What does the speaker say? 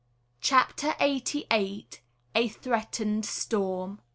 CHAPTER EIGHTY EIGHT. A THREATENED STORM.